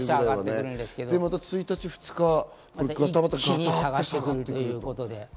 また１日、２日、ガタッと下がってくる。